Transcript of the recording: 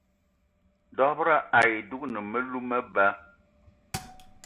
Dob-ro ayi dougni melou meba.